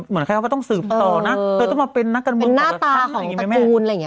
หน้าตาของตระกูลอะไรอย่างเงี้ยป่าว